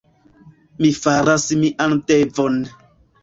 Mi faras mian devon.